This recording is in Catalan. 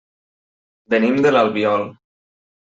Venim de l'Albiol.